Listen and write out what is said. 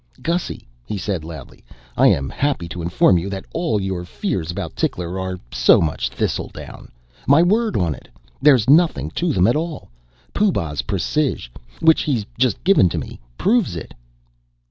"Gussy," he said loudly, "I am happy to inform you that all your fears about Tickler are so much thistledown. My word on it. There's nothing to them at all. Pooh Bah's precis, which he's just given to me, proves it."